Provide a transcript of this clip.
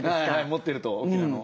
持ってると大きなのを。